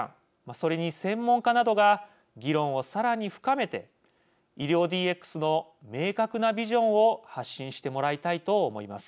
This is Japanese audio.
それに専門家などが議論をさらに深めて、医療ＤＸの明確なビジョンを発信してもらいたいと思います。